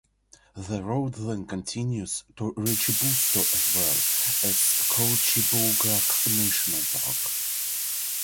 The Route then Continues to Richibucto as well as Kouchibouguac National Park.